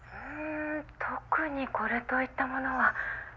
特にこれといったものは。